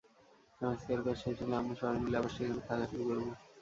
সংস্কারকাজ শেষ হলে আমরা সবাই মিলে আবার সেখানে থাকা শুরু করব।